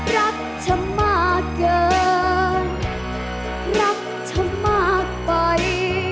รักเธอมากเกินรักเธอมากไป